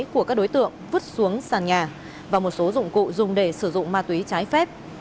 của các đối tượng vứt xuống sàn nhà và một số dụng cụ dùng để sử dụng ma túy trái phép